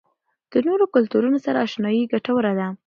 د نورو کلتورونو سره آشنايي ګټوره ده.